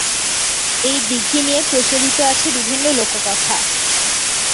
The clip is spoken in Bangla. এই দিঘি নিয়ে প্রচলিত আছে বিভিন্ন লোককথা।